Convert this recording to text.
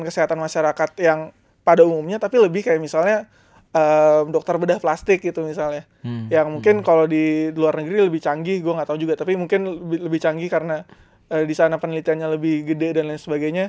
kasus diphteri gitu misalnya